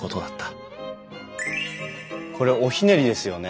これおひねりですよね。